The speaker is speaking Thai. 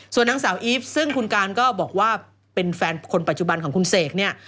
ส่วนนางสาวอีฟซึ่งคุณการก็บอกว่าเป็นแฟนคนปัจจุบันของคุณเสกเนี่ย